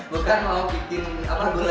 bukan mau bikin apa gulai